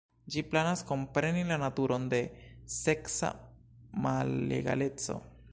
Ĝi planas kompreni la naturon de seksa malegaleco.